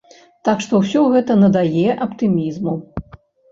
Так што ўсё гэта надае аптымізму.